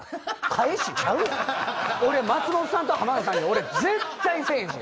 俺松本さんと浜田さんに絶対せぇへんし！